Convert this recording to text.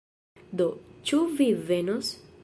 Do, ĉu vi venos?